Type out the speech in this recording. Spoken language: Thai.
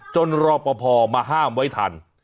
จนรอบพอมาห้ามไว้ทัน